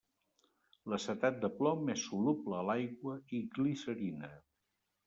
L'acetat de plom és soluble a aigua i glicerina.